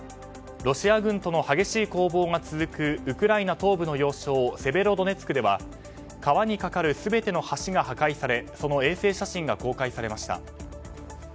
ロシア軍との激しい攻防が続くウクライナ東部の要衝セベロドネツクでは川に架かる全ての橋が破壊されその衛星写真が公開されました。